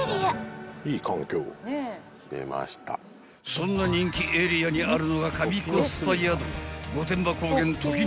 ［そんな人気エリアにあるのが神コスパ宿］